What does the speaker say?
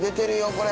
これ。